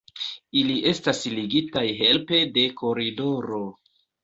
Ili estas ligitaj helpe de koridoro.